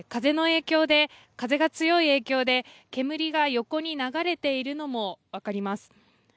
風が強い影響で煙が横に流れているのも分かります。